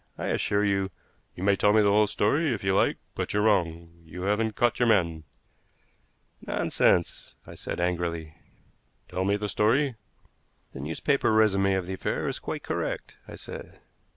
I assure you " "You may tell me the whole story, if you like, but you're wrong. You haven't caught your man." "Nonsense," I said angrily. "Tell me the story." "The newspaper résumé of the affair is quite correct," I said.